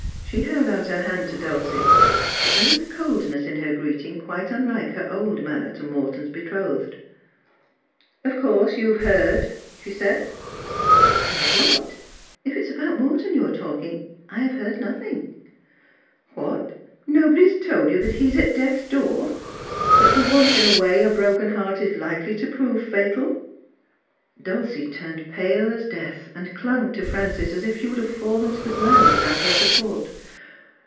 She held out her hand to Dulcie, but there was a coldness in her greeting quite unlike her old manner to Morton's betrothed. ' Of course, you have heard ?' she said. ' Heard what ? If it is about Morton you are talking I have heard nothing.' 'What, nobody has told you that he is at death's door — that for once in a way a broken heart is likely to prove fatal I ' Dulcie turned pale as death, and clung to Frances as if she would have fallen to the ground without her support.